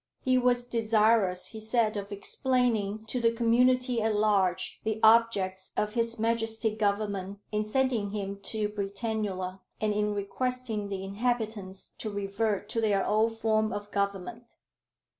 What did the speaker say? "He was desirous," he said, "of explaining to the community at large the objects of H.M. Government in sending him to Britannula, and in requesting the inhabitants to revert to their old form of government."